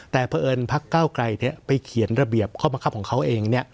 แต่เพราะเอิญพักเก้าไกลไปเขียนระเบียบข้อบังคับของเขาเอง